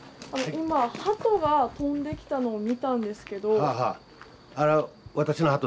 今ハトが飛んできたのを見たんですけど。